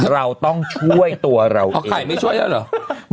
เราต้องช่วยตัวเราเพราะไข่ไม่ช่วยแล้วเหรอ